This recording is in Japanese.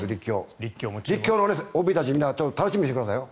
立教のＯＢたちみんな楽しみにしてくださいよ。